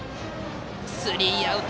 スリーアウト。